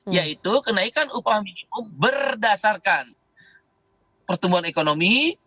yaitu kenaikan upah minimum berdasarkan pertumbuhan ekonomi